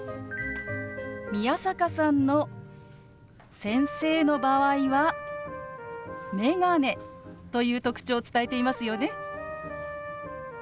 宮坂さんの先生の場合は「メガネ」という特徴を伝えていますよね。